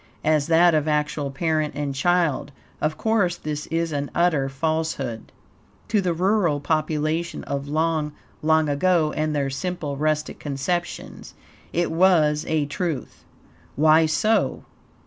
As that of actual PARENT and CHILD, of course this is an utter falsehood. To the rural population of long, long ago, and their simple, rustic conceptions, IT WAS A TRUTH. Why so?